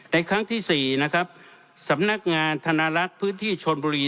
ครั้งที่๔นะครับสำนักงานธนลักษณ์พื้นที่ชนบุรี